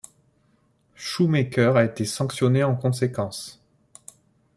Shoemaker a été sanctionné en conséquence.